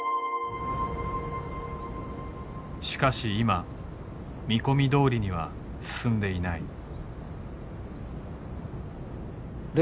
しかし今見込みどおりには進んでいない。